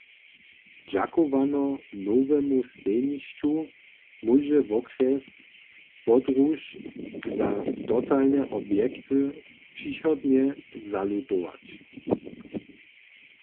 Dźakowano nowemu stejnišću móže wokrjes podruž za dotalne objekty přichodnje zalutować.